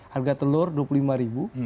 harga telur rp dua puluh lima ribu